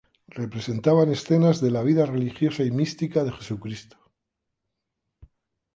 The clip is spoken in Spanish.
Representaban escenas de la vida religiosa y mística de Jesucristo.